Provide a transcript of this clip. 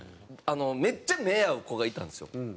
めっちゃ目合う子がいたんですよ。